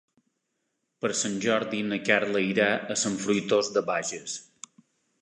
Per Sant Jordi na Carla irà a Sant Fruitós de Bages.